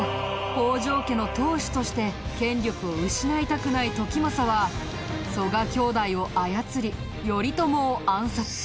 北条家の当主として権力を失いたくない時政は曽我兄弟を操り頼朝を暗殺。